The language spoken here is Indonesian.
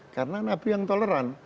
karena nabi yang toleran